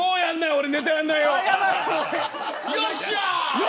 俺ネタやんないよ。